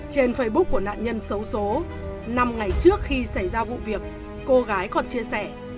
trên facebook của nạn nhân xấu xố năm ngày trước khi xảy ra vụ việc cô gái còn chia sẻ